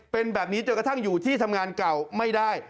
เป็นแบบนี้จนกระทั่งอยู่ที่ทำงานเก่าไม่ได้